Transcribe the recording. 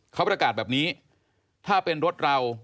เขาประกาศแบบนี้ถ้าเป็นรถเรา